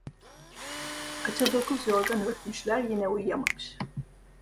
Aça dokuz yorgan örtmüşler, yine uyuyamamış.